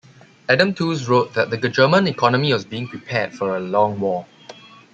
Adam Tooze wrote that the German economy was being prepared for a long war.